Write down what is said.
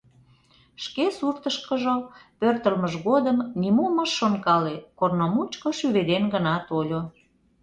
Шке суртышкыжо пӧртылмыж годым нимом ыш шонкале, корно мучко шӱведен гына тольо.